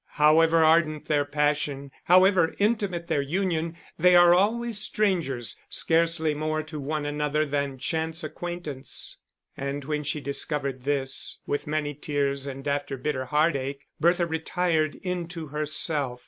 However ardent their passion, however intimate their union, they are always strangers; scarcely more to one another than chance acquaintance. And when she discovered this, with many tears and after bitter heartache, Bertha retired into herself.